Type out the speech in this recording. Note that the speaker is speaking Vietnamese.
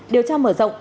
điều tra mở rộng